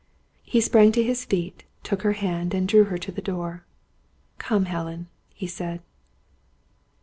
He sprang to his feet, took her hand, and drew her to the door. "Come, Helen," he said.